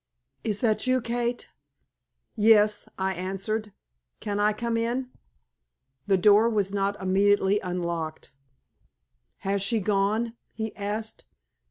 "Is that you, Kate?" "Yes," I answered. "Can I come in?" The door was not immediately unlocked. "Has she gone?" he asked.